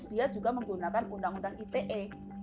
dia juga menggunakan undang undang ite